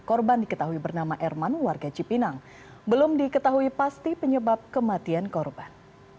korban diketahui bernama erman warga cipinang belum diketahui pasti penyebab kematian korban